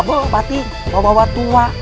berarti bawa bawa tua